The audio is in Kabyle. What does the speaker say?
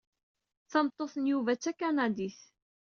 Tameṭṭut n Yuba d takanadit.